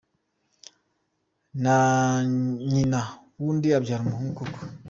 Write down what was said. Na nyina w’undi abyara umuhungu koko!.